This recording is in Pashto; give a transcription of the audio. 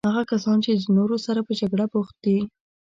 هغه کسان چې د نورو سره په جګړه بوخت دي.